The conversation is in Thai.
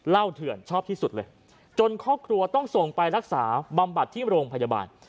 เถื่อนชอบที่สุดเลยจนครอบครัวต้องส่งไปรักษาบำบัดที่โรงพยาบาล